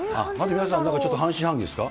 皆さん、なんかちょっと半信半疑ですか。